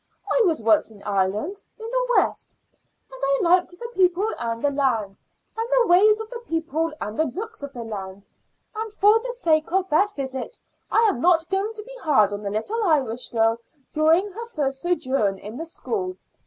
I was once in Ireland, in the west, and I liked the people and the land, and the ways of the people and the looks of the land, and for the sake of that visit I am not going to be hard on a little Irish girl during her first sojourn in the school.